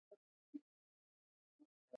بادام د افغان کلتور په داستانونو کې راځي.